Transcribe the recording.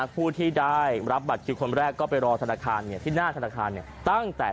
ผู้ที่ได้รับบัตรคิวคนแรกก็ไปรอธนาคารที่หน้าธนาคารตั้งแต่